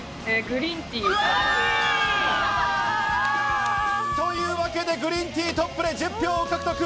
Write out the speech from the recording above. グリーンティーですかね。というわけで、グリーンティー、トップで１０票を獲得。